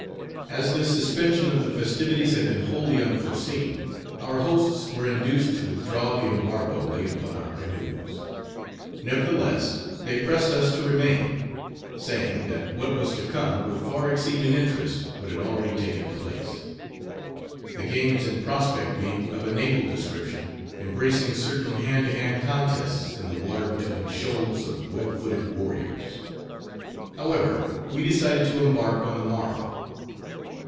As this suspension of the festivities had been wholly unforeseen, our hosts were induced to withdraw the embargo laid upon our canoes. Nevertheless, they pressed us to remain; saying, that what was to come would far exceed in interest, what had already taken place. The games in prospect being of a naval description, embracing certain hand to hand contests in the water between shoals of web footed warriors. However, we decided to embark on the morrow.